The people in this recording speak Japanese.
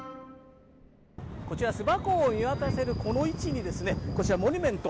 こちらスバ港を見渡せるこの位置にモニュメント